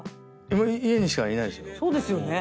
そうですよね。